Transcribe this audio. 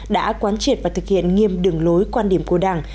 đã quán triệt và thực hiện nghiêm đường lối quan điểm của đảng